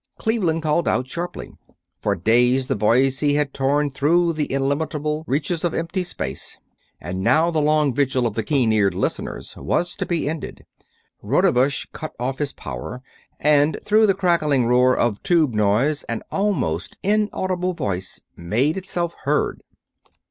Cleveland called out, sharply. For days the Boise had torn through the illimitable reaches of empty space, and now the long vigil of the keen eared listeners was to be ended. Rodebush cut off his power, and through the crackling roar of tube noise an almost inaudible voice made itself heard.